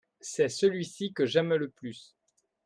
c'est celui-ci que j'aime le plus.